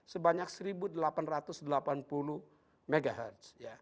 sebanyak seribu delapan ratus delapan puluh mhz